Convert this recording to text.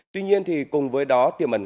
tuy nhiên thì cùng với đó tiềm ẩn